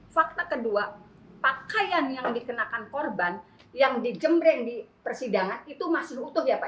fakta kedua pakaian yang dikenakan korban yang dijembreng di persidangan itu masih utuh ya pak